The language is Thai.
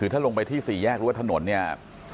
ถ้าลงไปที่๔แยกรวดถนนเนี่ย